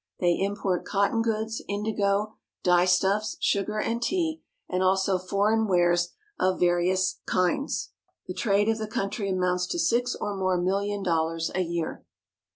They import cotton goods, indigo, dye stuffs, sugar and tea, and also foreign wares of various kinds. The trade of the country amounts to six or more million dollars a year.